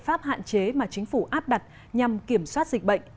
biện pháp hạn chế mà chính phủ áp đặt nhằm kiểm soát dịch bệnh